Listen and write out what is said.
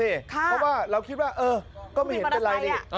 เพราะว่าเราคิดว่าเออก็ไม่เห็นเป็นไรนี่